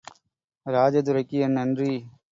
ராஜதுரைக்கு என் நன்றி.